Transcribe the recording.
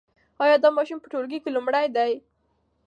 ایا دا ماشوم په ټولګي کې لومړی دی؟